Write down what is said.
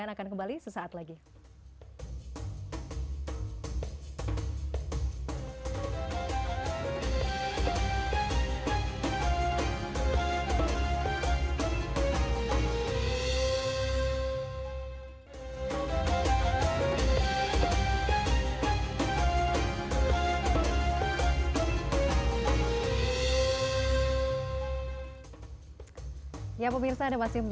jangan kemana mana pemirsa